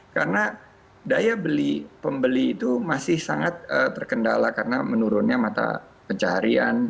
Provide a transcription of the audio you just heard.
karena daya beli pembeli itu masih sangat terkendala karena menurunnya mata pencarian